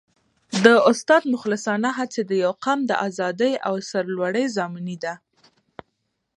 د استاد مخلصانه هڅې د یو قوم د ازادۍ او سرلوړۍ ضامنې دي.